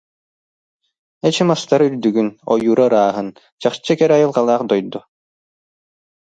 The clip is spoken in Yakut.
Эчи мастара үрдүгүн, ойуура ырааһын, чахчы кэрэ айылҕалаах дойду